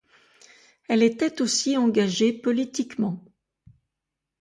Elle était aussi engagée politiquement.